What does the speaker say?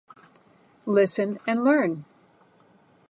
Listen and learn.